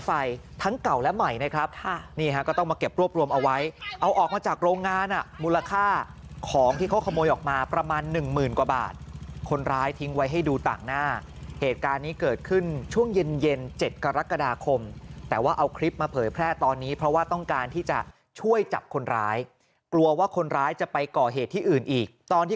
ไฟทั้งเก่าและใหม่นะครับค่ะนี่ฮะก็ต้องมาเก็บรวบรวมเอาไว้เอาออกมาจากโรงงานอ่ะมูลค่าของที่เขาขโมยออกมาประมาณหนึ่งหมื่นกว่าบาทคนร้ายทิ้งไว้ให้ดูต่างหน้าเหตุการณ์นี้เกิดขึ้นช่วงเย็นเย็น๗กรกฎาคมแต่ว่าเอาคลิปมาเผยแพร่ตอนนี้เพราะว่าต้องการที่จะช่วยจับคนร้ายกลัวว่าคนร้ายจะไปก่อเหตุที่อื่นอีกตอนที่